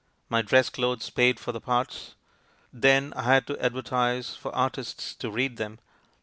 My dress clothes paid for the parts. Then I had to advertise for artists to read them.